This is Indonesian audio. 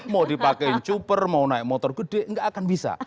mau dipakai cuper mau naik motor gede nggak akan bisa